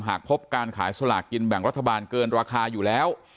หากพบการขายสลากกินแบ่งรัฐบาลเกินราคาอยู่แล้ว